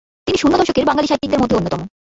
তিনি শূন্য দশকের বাঙালি সাহিত্যিকদের মধ্যে অন্যতম।